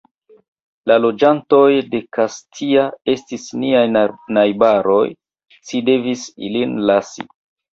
La loĝantoj de Kastia estas niaj najbaroj, ci devis ilin lasi.